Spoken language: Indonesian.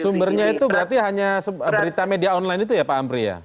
sumbernya itu berarti hanya berita media online itu ya pak amri ya